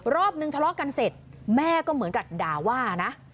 รอบนึงทะเลาะกันเสร็จแม่ก็เหมือนกับด่าว่านะ